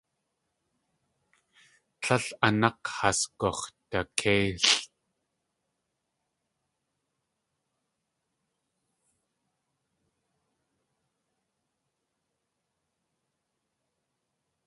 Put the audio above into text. Tlél a nák̲ has gux̲dakéilʼ.